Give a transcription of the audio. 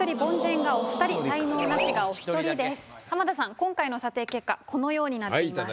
今回の査定結果このようになっています。